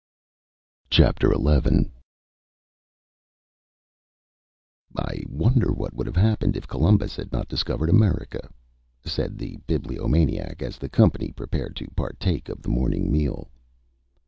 XI "I wonder what would have happened if Columbus had not discovered America?" said the Bibliomaniac, as the company prepared to partake of the morning meal.